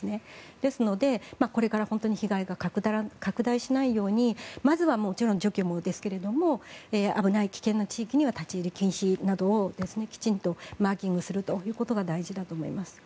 ですので、これから本当に被害が拡大しないようにまずは、もちろん除去もですが危ない危険な地域には立ち入り禁止などをきちんとマーキングすることが大事だと思います。